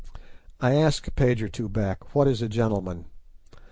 I asked a page or two back, what is a gentleman?